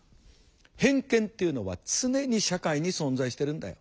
「偏見っていうのは常に社会に存在しているんだよ。